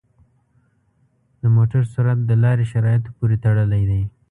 د موټر سرعت د لارې شرایطو پورې تړلی دی.